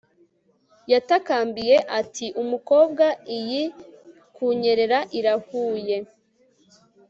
yatakambiye ati 'umukobwa iyi kunyerera irahuye